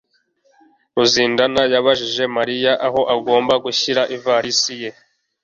Ruzindana yabajije Mariya aho agomba gushyira ivalisi ye.